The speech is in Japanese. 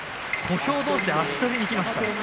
小兵どうし足取りにいきました。